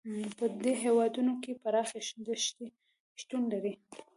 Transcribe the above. په دې هېوادونو کې پراخې دښتې شتون لري.